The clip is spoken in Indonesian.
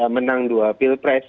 menang dua pilpres